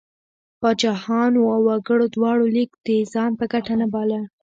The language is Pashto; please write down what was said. پاچاهانو او وګړو دواړو لیک د ځان په ګټه نه باله.